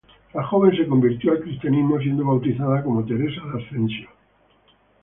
La joven se convirtió al cristianismo siendo bautizada como Teresa de Ascencio.